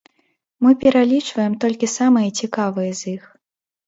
Мы пералічваем толькі самыя цікавыя з іх.